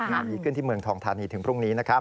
ดีขึ้นที่เมืองทองธานีถึงพรุ่งนี้นะครับ